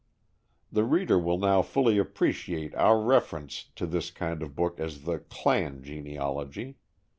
The reader will now fully appreciate our reference to this kind of book as the "clan" genealogy.